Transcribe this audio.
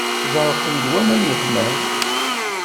Zerqen-d waman iḥman.